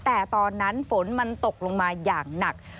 แต่ตอนนั้นฝนมันตกลงมาอย่างหนัก